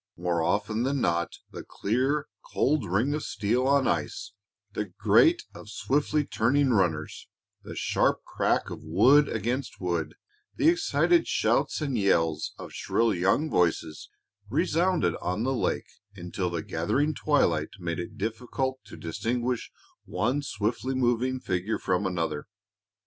More often than not the clear, cold ring of steel on ice, the grate of swiftly turning runners, the sharp crack of wood against wood, the excited shouts and yells of shrill young voices, resounded on the lake until the gathering twilight made it difficult to distinguish one swiftly moving figure from another.